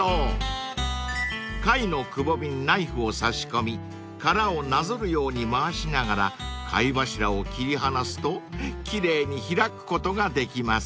［貝のくぼみにナイフを差し込み殻をなぞるように回しながら貝柱を切り離すと奇麗に開くことができます］